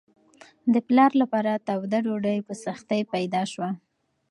د پلار لپاره توده ډوډۍ په سختۍ پیدا شوه.